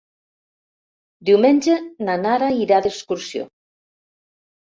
Diumenge na Nara irà d'excursió.